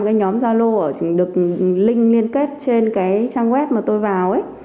cái nhóm zalo được link liên kết trên cái trang web mà tôi vào ấy